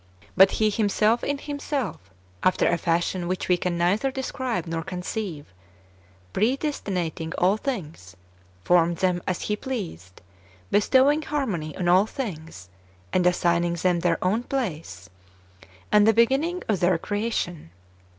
But He Himself in Himself, after a fashion which we can neither describe nor conceive, predestinating all things, formed them as He pleased, bestowing harmony on all things, and assigning them their own place, and the beginning of their creation.